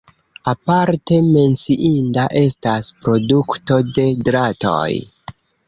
Aparte menciinda estas produkto de dratoj.